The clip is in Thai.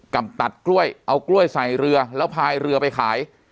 กับตัดกล้วยเอากล้วยใส่เรือแล้วพายเรือไปขาย